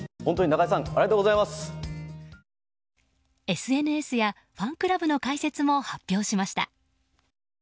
ＳＮＳやファンクラブの開設も発表しました。